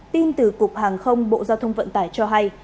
tin từ cục hàng không bộ giao thông vận tải cho hay